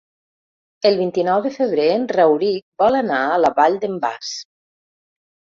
El vint-i-nou de febrer en Rauric vol anar a la Vall d'en Bas.